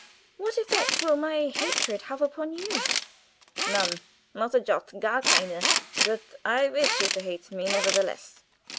What effect will my hatred have upon you?" "None. Not a jot. Gar keine. But I wish you to hate me, nevertheless."